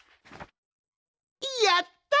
やった！